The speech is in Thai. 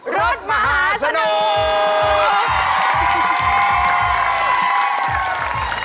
รถมหาสนุก